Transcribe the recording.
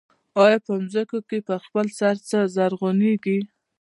آیا په ځمکو کې په خپل سر څه زرغونېږي